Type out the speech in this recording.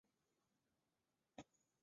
北方的亚种的头顶盖颜色较浅。